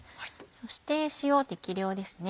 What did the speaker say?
そして塩適量ですね。